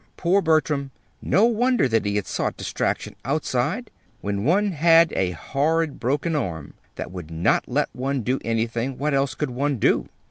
Poor Bertram! No wonder that he had sought distraction outside! When one had a horrid broken arm that would not let one do anything, what else could one do?